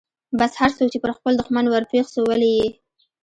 بس هرڅوک چې پر خپل دښمن ورپېښ سو ولي يې.